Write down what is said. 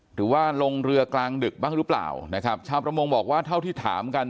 หรือว่าลงเรือกลางดึกบ้างหรือเปล่านะครับชาวประมงบอกว่าเท่าที่ถามกัน